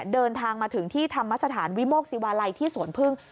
เดินทางมาถึงที่ธรรมสถานวิโมกศิวาลัยที่สวนพึ่ง